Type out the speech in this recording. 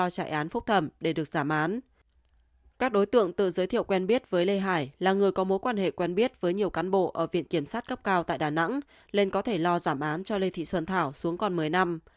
các đối tượng tự giới thiệu quen biết với lê hải là người có mối quan hệ quen biết với nhiều cán bộ ở viện kiểm sát cấp cao tại đà nẵng lên có thể lo giảm án cho lê thị xuân thảo xuống còn một mươi năm